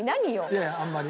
いやいやあんまり。